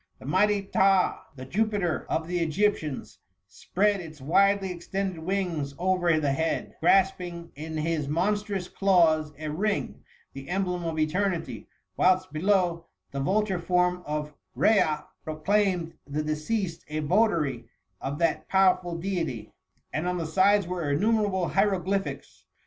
The mighty Phtah, the Jupiter of the Egyp tians, spread its widely extended wings over the bead, grasping in his monstrous claws a ring, the emblem of eternity ; whilst below, the vulture form of Rhea proclaimed the deceased a votary of that powerful deity ; and on the sides were innumerable hieroglyphics.